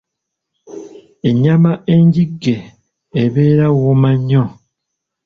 Ennyama engigge ebeera wooma nnyo.